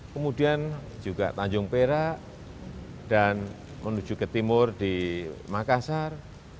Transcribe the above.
kemudian juga tanjung perak dan menuju ke timur di makassar